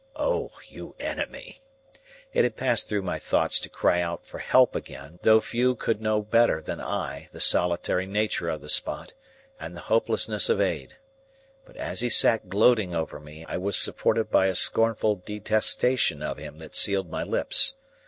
O you enemy!" It had passed through my thoughts to cry out for help again; though few could know better than I, the solitary nature of the spot, and the hopelessness of aid. But as he sat gloating over me, I was supported by a scornful detestation of him that sealed my lips.